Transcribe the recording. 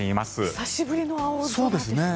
久しぶりの青空ですね。